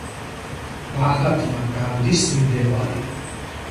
მაჰათმა განდის მიმდევარი.